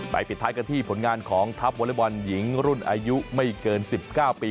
ปิดท้ายกันที่ผลงานของทัพวอเล็กบอลหญิงรุ่นอายุไม่เกิน๑๙ปี